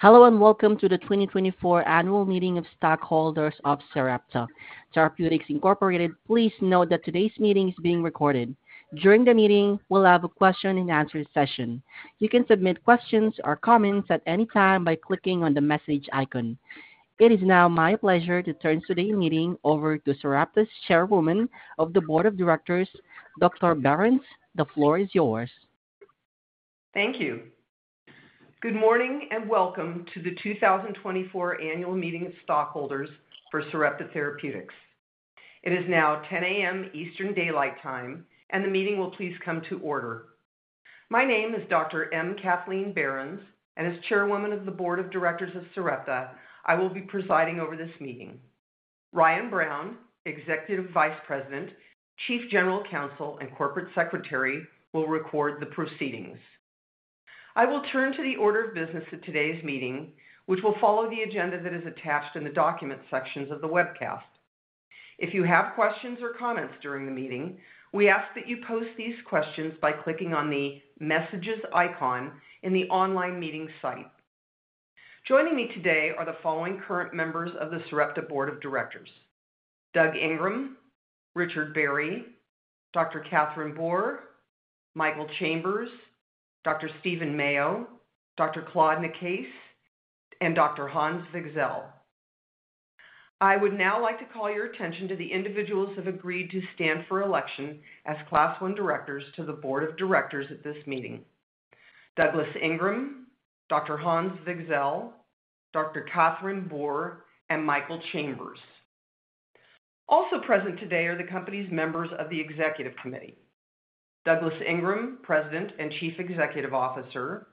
Hello and welcome to the 2024 Annual Meeting of Stockholders of Sarepta Therapeutics Incorporated. Please note that today's meeting is being recorded. During the meeting, we'll have a question-and-answer session. You can submit questions or comments at any time by clicking on the message icon. It is now my pleasure to turn today's meeting over to Sarepta's Chairwoman of the Board of Directors, Dr. Behrens. The floor is yours. Thank you. Good morning and welcome to the 2024 Annual Meeting of Stockholders for Sarepta Therapeutics. It is now 10:00 A.M. Eastern Daylight Time, and the meeting will please come to order. My name is Dr. M. Kathleen Behrens, and as Chairwoman of the Board of Directors of Sarepta, I will be presiding over this meeting. Ryan Brown, Executive Vice President, Chief General Counsel, and Corporate Secretary will record the proceedings. I will turn to the order of business of today's meeting, which will follow the agenda that is attached in the document sections of the webcast. If you have questions or comments during the meeting, we ask that you post these questions by clicking on the messages icon in the online meeting site. Joining me today are the following current members of the Sarepta Board of Directors: Doug Ingram, Richard Barry, Dr. Kathryn Boor, Michael Chambers, Dr. Stephen Mayo, Dr. Claude Nicaise, and Dr. Hans Wigzell. I would now like to call your attention to the individuals who have agreed to stand for election as Class I Directors to the Board of Directors at this meeting: Douglas Ingram, Dr. Hans Wigzell, Dr. Kathryn Boor, and Michael Chambers. Also present today are the company's members of the Executive Committee: Douglas Ingram, President and Chief Executive Officer;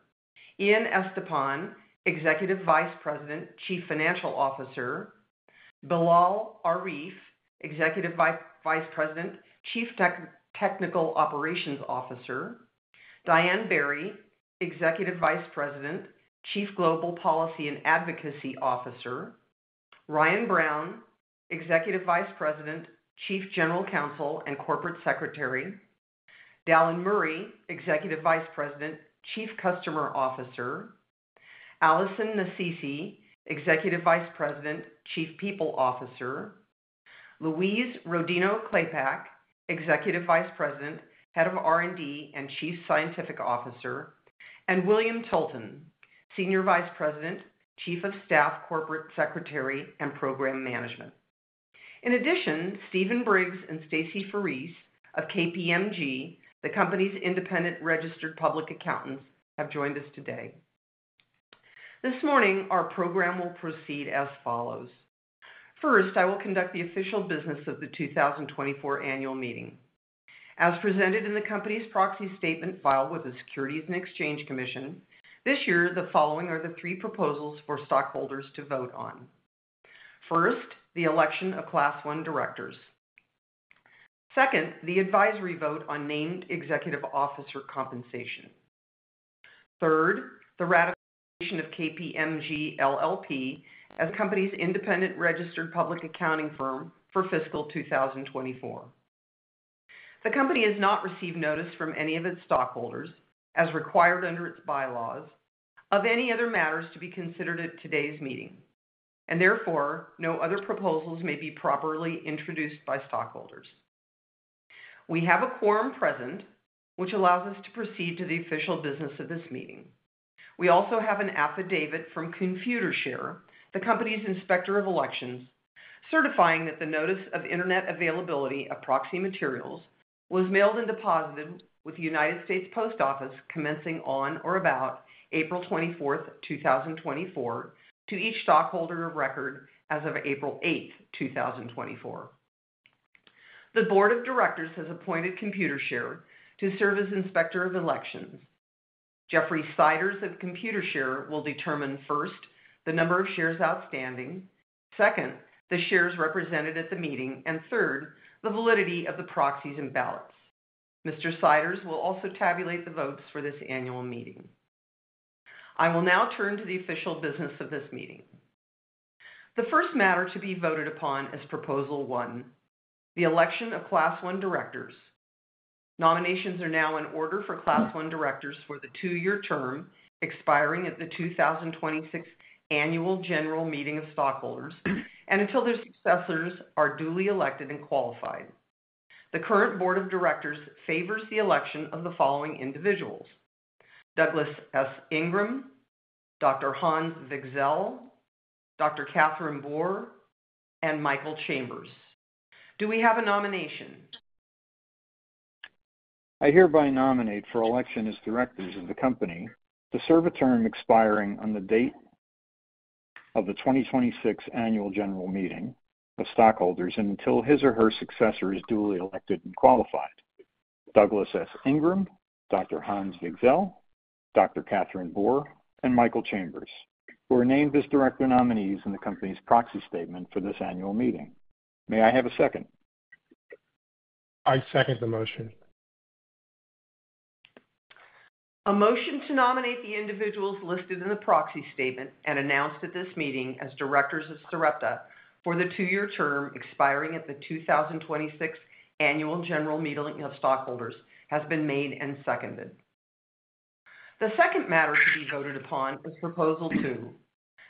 Ian Estepan, Executive Vice President, Chief Financial Officer; Bilal Arif, Executive Vice President, Chief Technical Operations Officer; Diane Berry, Executive Vice President, Chief Global Policy and Advocacy Officer; Ryan Brown, Executive Vice President, Chief General Counsel, and Corporate Secretary; Dallan Murray, Executive Vice President, Chief Commercial Officer; Alison Nasisi, Executive Vice President, Chief People Officer; Louise Rodino-Klapac, Executive Vice President, Head of R&D and Chief Scientific Officer; and William Borton, Senior Vice President, Chief of Staff, Corporate Strategy, and Program Management. In addition, Stephen Briggs and Stacy Farese of KPMG, the company's independent registered public accountants, have joined us today. This morning, our program will proceed as follows. First, I will conduct the official business of the 2024 Annual Meeting. As presented in the company's Proxy Statement filed with the Securities and Exchange Commission, this year, the following are the three proposals for stakeholders to vote on: First, the election of Class I Directors. Second, the advisory vote on named executive officer compensation. Third, the ratification of KPMG LLP as the company's independent registered public accounting firm for fiscal 2024. The company has not received notice from any of its stakeholders, as required under its bylaws, of any other matters to be considered at today's meeting, and therefore, no other proposals may be properly introduced by stakeholders. We have a quorum present, which allows us to proceed to the official business of this meeting. We also have an affidavit from Computershare, the company's inspector of elections, certifying that the Notice of Internet Availability of Proxy Materials was mailed and deposited with the United States Post Office commencing on or about April 24, 2024, to each stakeholder of record as of April 8, 2024. The Board of Directors has appointed Computershare to serve as inspector of elections. Jeffrey Siders of Computershare will determine, first, the number of shares outstanding, second, the shares represented at the meeting, and third, the validity of the proxies and ballots. Mr. Siders will also tabulate the votes for this annual meeting. I will now turn to the official business of this meeting. The first matter to be voted upon is Proposal 1: The election of Class I Directors. Nominations are now in order for Class I Directors for the two-year term expiring at the 2026 Annual General Meeting of Stockholders and until their successors are duly elected and qualified. The current Board of Directors favors the election of the following individuals: Douglas S. Ingram, Dr. Hans Wigzell, Dr. Kathryn Boor, and Michael Chambers. Do we have a nomination? I hereby nominate for election as directors of the company to serve a term expiring on the date of the 2026 Annual General Meeting of Stockholders and until his or her successor is duly elected and qualified: Douglas S. Ingram, Dr. Hans Wigzell, Dr. Kathryn Boor, and Michael Chambers, who are named as director nominees in the company's proxy statement for this annual meeting. May I have a second? I second the motion. A motion to nominate the individuals listed in the proxy statement and announced at this meeting as directors of Sarepta for the two-year term expiring at the 2026 Annual General Meeting of Stockholders has been made and seconded. The second matter to be voted upon is Proposal 2: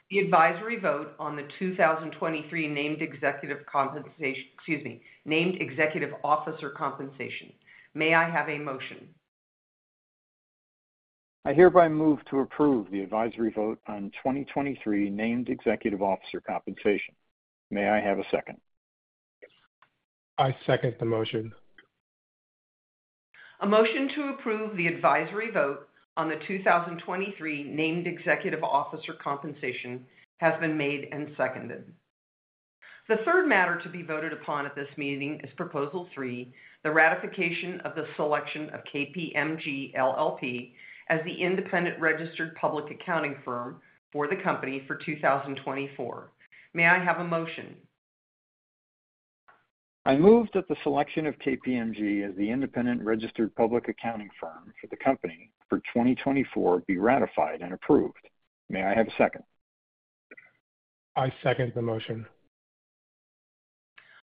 The advisory vote on the 2023 named executive compensation, excuse me, named executive officer compensation. May I have a motion? I hereby move to approve the advisory vote on 2023 named executive officer compensation. May I have a second? I second the motion. A motion to approve the advisory vote on the 2023 named executive officer compensation has been made and seconded. The third matter to be voted upon at this meeting is Proposal 3: The ratification of the selection of KPMG LLP as the independent registered public accounting firm for the company for 2024. May I have a motion? I move that the selection of KPMG as the independent registered public accounting firm for the company for 2024 be ratified and approved. May I have a second? I second the motion.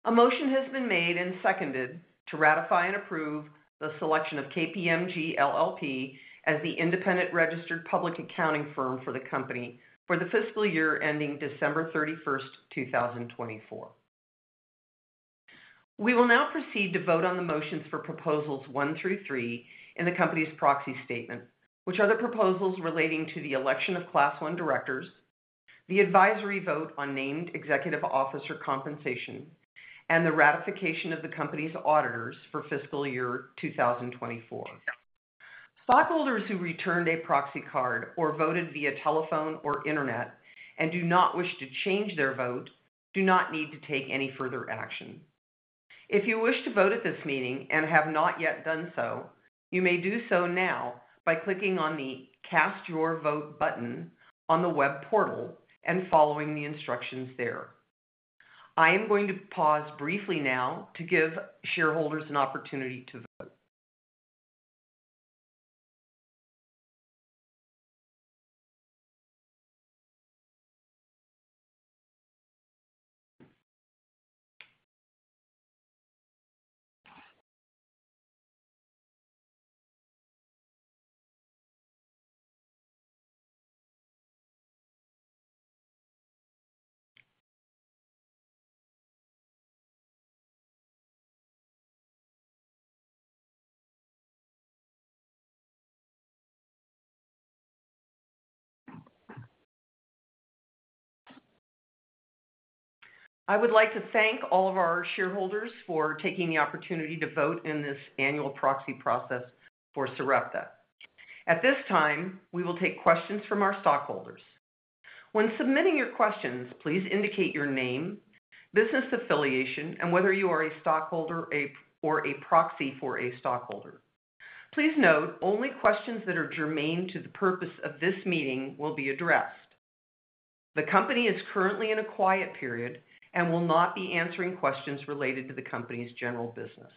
A motion has been made and seconded to ratify and approve the selection of KPMG LLP as the independent registered public accounting firm for the company for the fiscal year ending December 31, 2024. We will now proceed to vote on the motions for Proposals one through three in the company's proxy statement, which are the proposals relating to the election of Class I Directors, the advisory vote on named executive officer compensation, and the ratification of the company's auditors for fiscal year 2024. Stockholders who returned a proxy card or voted via telephone or internet and do not wish to change their vote do not need to take any further action. If you wish to vote at this meeting and have not yet done so, you may do so now by clicking on the Cast Your Vote button on the web portal and following the instructions there. I am going to pause briefly now to give shareholders an opportunity to vote. I would like to thank all of our shareholders for taking the opportunity to vote in this annual proxy process for Sarepta. At this time, we will take questions from our stakeholders. When submitting your questions, please indicate your name, business affiliation, and whether you are a stakeholder or a proxy for a stakeholder. Please note only questions that are germane to the purpose of this meeting will be addressed. The company is currently in a quiet period and will not be answering questions related to the company's general business.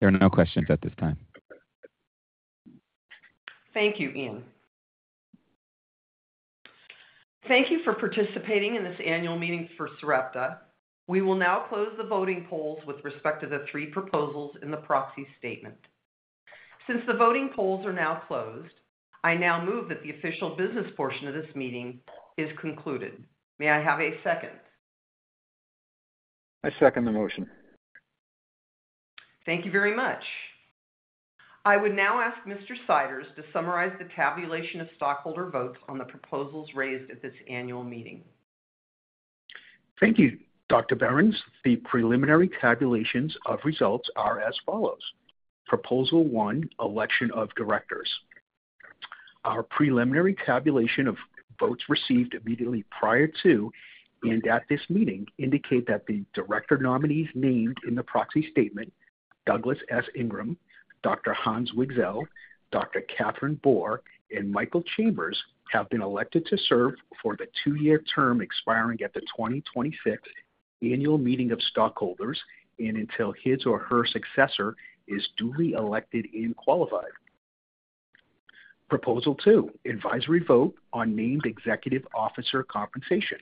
There are no questions at this time. Thank you, Ian. Thank you for participating in this annual meeting for Sarepta. We will now close the voting polls with respect to the three proposals in the Proxy Statement. Since the voting polls are now closed, I now move that the official business portion of this meeting is concluded. May I have a second? I second the motion. Thank you very much. I would now ask Mr. Siders to summarize the tabulation of stakeholder votes on the proposals raised at this annual meeting. Thank you, Dr. Behrens. The preliminary tabulations of results are as follows: Proposal 1: Election of Directors. Our preliminary tabulation of votes received immediately prior to and at this meeting indicate that the director nominees named in the proxy statement, Douglas S. Ingram, Dr. Hans Wigzell, Dr. Kathryn Boor, and Michael Chambers, have been elected to serve for the two-year term expiring at the 2026 Annual Meeting of Stockholders and until his or her successor is duly elected and qualified. Proposal 2: Advisory Vote on Named Executive Officer Compensation.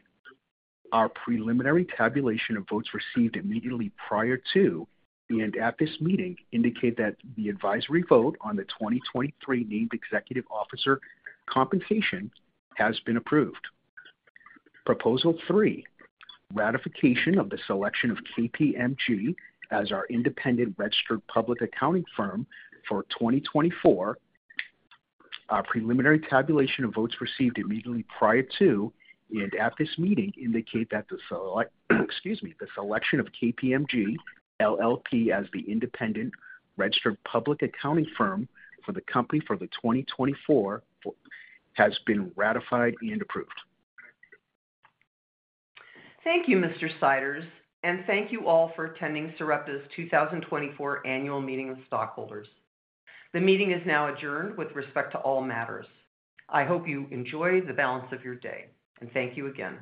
Our preliminary tabulation of votes received immediately prior to and at this meeting indicate that the advisory vote on the 2023 named executive officer compensation has been approved. Proposal 3: Ratification of the Selection of KPMG as our independent registered public accounting firm for 2024. Our preliminary tabulation of votes received immediately prior to and at this meeting indicate that the selection of KPMG LLP as the independent registered public accounting firm for the company for the 2024 has been ratified and approved. Thank you, Mr. Siders, and thank you all for attending Sarepta's 2024 Annual Meeting of Stockholders. The meeting is now adjourned with respect to all matters. I hope you enjoy the balance of your day, and thank you again.